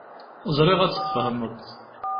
Ẓriɣ ad tt-tfehmeḍ.